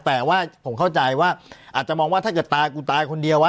แต่ว่าผมเข้าใจว่าอาจจะมองว่าถ้าเกิดตายกูตายคนเดียววะ